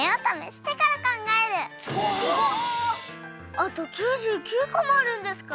あと９９こもあるんですか？